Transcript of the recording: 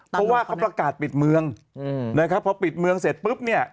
เพราะว่าเขาประกาศปิดเมืองนะครับพอปิดเมืองเสร็จปุ๊บเนี่ย